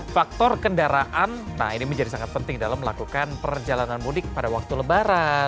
faktor kendaraan nah ini menjadi sangat penting dalam melakukan perjalanan mudik pada waktu lebaran